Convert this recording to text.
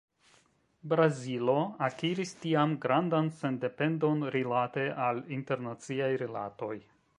Brazilo akiris tiam grandan sendependon rilate al internaciaj rilatoj.